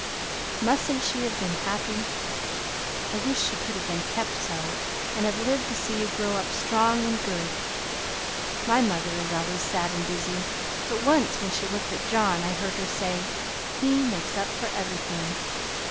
Mustn't she have been happy! I wish she could have been kept so, and had lived to see you grow up strong and good. My mother is always sad and busy, but once when she looked at John I heard her say, 'He makes up for everything.'